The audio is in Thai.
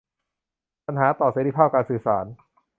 ปัญหาต่อเสรีภาพการสื่อสาร